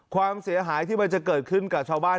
ความเสียหายที่มันจะเกิดขึ้นกับชาวบ้าน